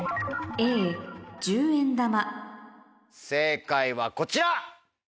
正解はこちら！